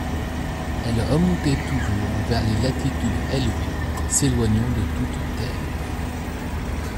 Elle remontait toujours vers les latitudes élevées, s’éloignant de toute terre.